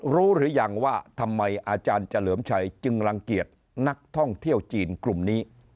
หรือยังว่าทำไมอาจารย์เฉลิมชัยจึงรังเกียจนักท่องเที่ยวจีนกลุ่มนี้